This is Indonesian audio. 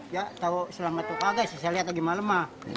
ya selama itu kaget sih saya lihat lagi malam